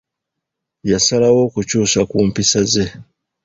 Yasalawo okukyusa ku mpisa ze.